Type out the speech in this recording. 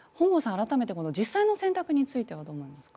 改めてこの実際の選択についてはどう思いますか。